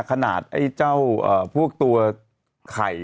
ไอ้เจ้าพวกตัวไข่